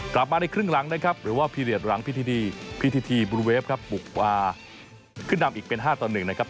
กลับมาในครึ่งหลังนะครับหรือว่าพีเรียสหลังพิธีบรูเวฟครับบุกมาขึ้นนำอีกเป็น๕ต่อ๑นะครับ